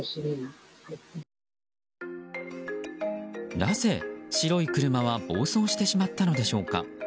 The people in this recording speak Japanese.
なぜ、白い車は暴走してしまったのでしょうか。